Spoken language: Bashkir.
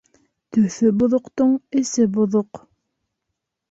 Төҫө боҙоҡтоң эсе боҙоҡ.